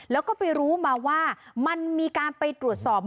แล้วก็ไปรู้มาว่ามันมีการไปตรวจสอบ